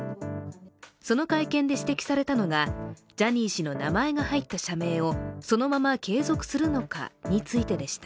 その会見で指摘されたのが、ジャニー氏の名前が入った社名をそのまま継続するのかについてでした。